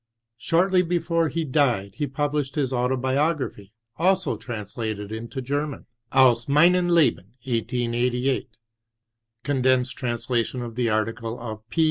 Shortly before he died he published his autobiography, also translated into German, Aus ineinen Lehen, 1888. (Condensed translation of the article of P.